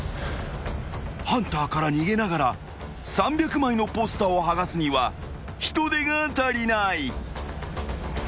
［ハンターから逃げながら３００枚のポスターを剥がすには人手が足りない］